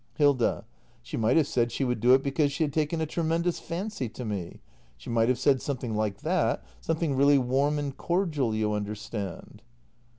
Hilda. She might have said she would do it because she had taken a tremendous fancy to me. She might have said something like that — something really warm and cordial, you understand.